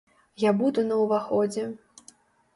Я буду на ўваходзе.